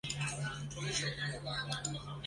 他的母亲史蒂芬妮则是名的员工。